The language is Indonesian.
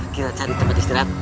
kita cari tempat istirahat